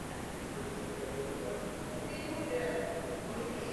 Podíl ruského obyvatelstva se výrazně zvýšil ve třicátých letech.